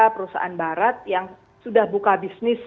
perusahaan barat yang sudah buka bisnis